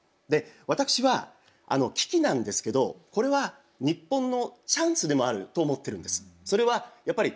私は危機なんですけどこれは日本のチャンスでもあると思ってるんです。